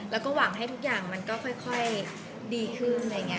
แล้วก็หวังทุกอย่างมันจะเรียกได้